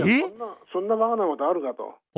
そんなバカなことあるかと。